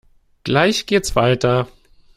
Gleich geht's weiter!